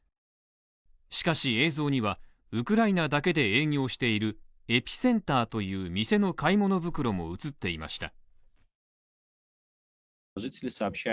しかし、映像にはウクライナだけで営業しているエピセンターという店の買い物袋も映っていました。